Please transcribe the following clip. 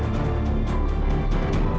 pak aku mau pergi